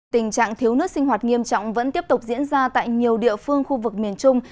tình trạng thiếu nước sinh hoạt nghiêm trọng vẫn tiếp tục diễn ra tại nhiều địa phương khu vực miền trung